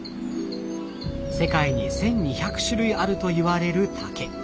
世界に１，２００種類あるといわれる竹。